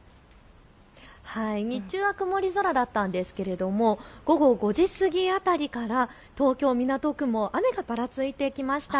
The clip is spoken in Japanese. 日中は曇り空だったんですけれども午後５時過ぎあたりから東京港区も雨がぱらついてきました。